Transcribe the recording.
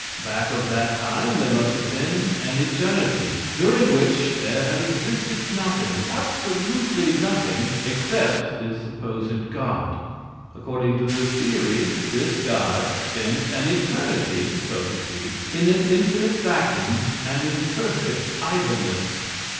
Back of that time there must have been an eternity, during which there had existed nothing absolutely nothing except this supposed god. According to this theory, this god spent an eternity, so to speak, in an infinite vacuum, and in perfect idleness.